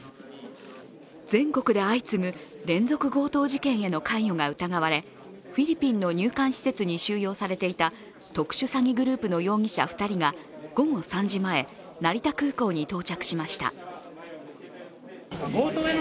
全国で相次ぐ連続強盗事件への関与が疑われフィリピンの入管施設に収容されていた特殊詐欺グループの容疑者２人が午後３時前成田空港に到着しました。